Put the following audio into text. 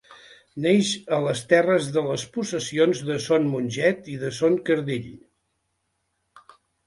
Neix a les terres de les possessions de Son Monget i de Son Cardell.